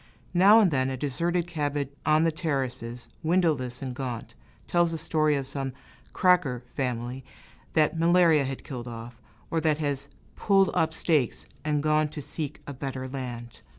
Now and then, a deserted cabin on the terraces, windowless and gaunt, tells the story of some "cracker" family that malaria had killed off, or that has "pulled up stakes" and gone to seek a better land.